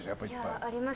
あります。